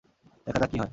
দেখা যাক কী হয়।